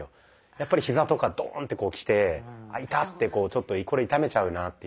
やっぱりヒザとかドンってきて「あっ痛」ってちょっとこれ痛めちゃうなっていう